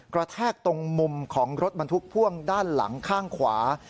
แทกตรงมุมของรถบรรทุกพ่วงด้านหลังข้างขวา